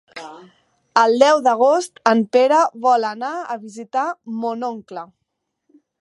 El deu d'agost en Pere vol anar a visitar mon oncle.